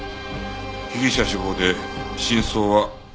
被疑者死亡で真相は藪の中だ。